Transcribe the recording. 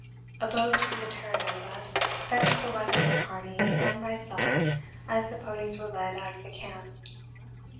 A boat from the Terra Nova fetched the Western Party and myself as the ponies were led out of the camp.